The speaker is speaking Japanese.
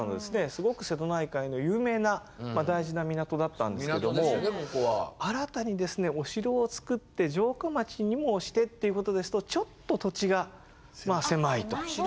すごく瀬戸内海の有名な大事な港だったんですけども新たにお城を造って城下町にもしてっていうことですとちょっと土地が狭いと。